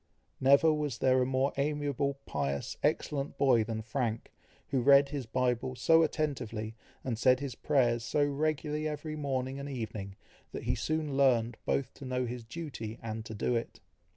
Never was there a more amiable, pious, excellent boy than Frank, who read his Bible so attentively, and said his prayers so regularly every morning and evening, that he soon learned both to know his duty and to do it.